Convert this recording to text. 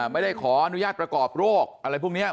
ไม่ได้ขออนุญาตประกอบโรคอะไรพวกนี้